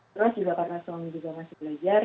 terus juga karena suami juga masih belajar